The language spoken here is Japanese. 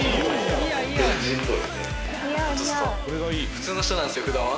普通の人なんっすよふだんは。